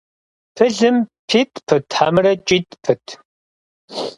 Пылым питӏ пыт, хьэмэрэ кӏитӏ пыт?